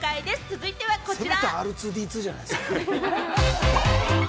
続いてはこちら。